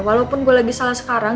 walaupun gue lagi salah sekarang